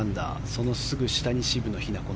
そのすぐ下に渋野日向子９